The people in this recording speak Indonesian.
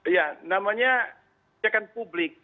ya namanya kebijakan publik